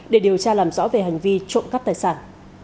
để điều tra làm rõ về hành vi trộm cắp tài sản